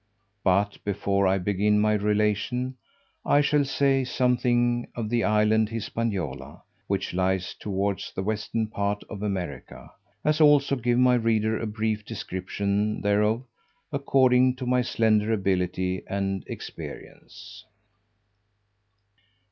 But before I begin my relation, I shall say something of the island Hispaniola, which lies towards the western part of America; as also give my reader a brief description thereof, according to my slender ability and experience.